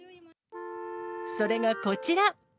それがこちら。